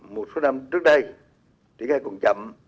một số năm trước đây thì cái này còn chậm